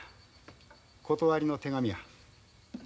断りの手紙や。